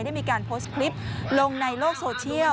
ได้มีการโพสต์คลิปลงในโลกโซเชียล